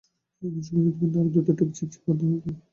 এমন সময় হৃৎপিণ্ড তার আরো দ্রুত টিপচিপ শব্দ করে উঠল।